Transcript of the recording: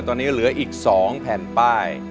ตอนนี้เหลืออีก๒แผ่นป้าย